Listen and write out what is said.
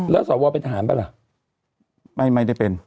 แล้วสาววอลวาที่เป็นทหารเปล่า